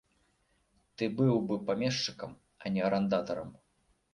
Ты быў бы памешчыкам, а не арандатарам.